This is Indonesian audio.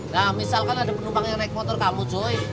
nah misalkan ada penumpang yang naik motor kamu join